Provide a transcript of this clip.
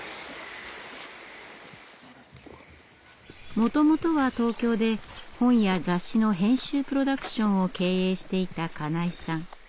もともとは東京で本や雑誌の編集プロダクションを経営していた金井さん。